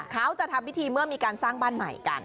เขาจะทำพิธีเมื่อมีการสร้างบ้านใหม่กัน